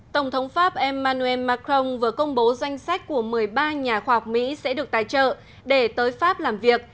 tổng thống pháp emmanuel macron vừa công bố danh sách của một mươi ba nhà khoa học mỹ sẽ được tài trợ để tới pháp làm việc